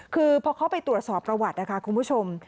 คือพอเข้าไปตรวจสอบประวัตินะคะคุณผู้ชม